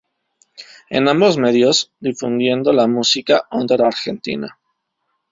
En ambos medios, difundiendo la música under argentina.